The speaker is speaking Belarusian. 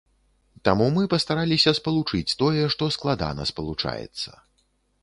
Таму мы пастараліся спалучыць тое, што складана спалучаецца.